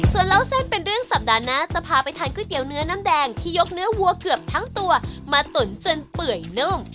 ส่วนเล่าเส้นเป็นเรื่องสัปดาห์หน้าจะพาไปทานก๋วยเตี๋ยวเนื้อน้ำแดงที่ยกเนื้อวัวเกือบทั้งตัวมาตุ๋นจนเปื่อยนุ่ม